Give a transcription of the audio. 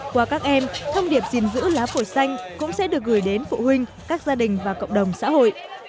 qua các em thông điệp gìn giữ lá phổi xanh cũng sẽ được gửi đến phụ huynh các gia đình và cộng đồng xã hội